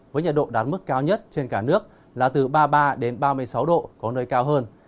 với nhiệt độ đạt mức cao nhất trên cả nước là từ ba mươi ba đến ba mươi sáu độ có nơi cao hơn